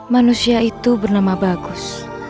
manusia itu bernama bagus